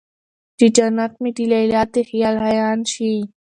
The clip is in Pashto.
چې جنت مې د ليلا د خيال عيان شي